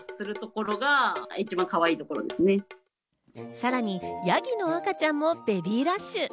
さらにヤギの赤ちゃんもベビーラッシュ。